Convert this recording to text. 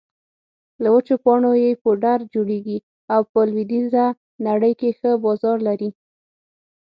له وچو پاڼو يې پوډر جوړېږي او په لویدېزه نړۍ کې ښه بازار لري